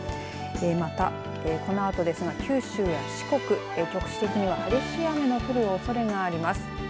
またこのあとですが九州や四国局地的には激しい雨の降るおそれがあります。